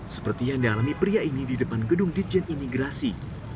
seperti yang dialami pria ini di depan gedung dijen imigrasi